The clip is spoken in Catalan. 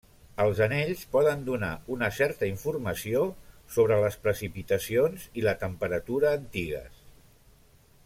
Els anells poden donar una certa informació sobre les precipitacions i la temperatura antigues.